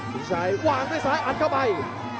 พี่ชัยวางด้วยซ้ายอัดเข้าไป